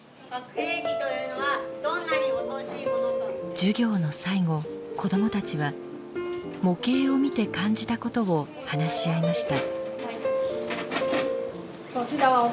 授業の最後子どもたちは模型を見て感じたことを話し合いました。